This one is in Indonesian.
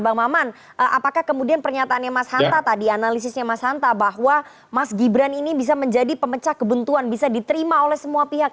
bang maman apakah kemudian pernyataannya mas hanta tadi analisisnya mas hanta bahwa mas gibran ini bisa menjadi pemecah kebuntuan bisa diterima oleh semua pihak